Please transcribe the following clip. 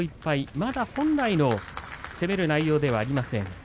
まだ本来の攻める内容ではありません。